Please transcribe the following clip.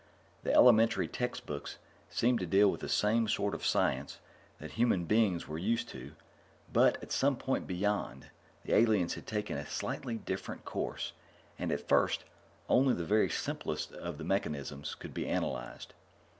The elementary textbooks seemed to deal with the same sort of science that human beings were used to, but, at some point beyond, the aliens had taken a slightly different course, and, at first, only the very simplest of their mechanisms could be analyzed.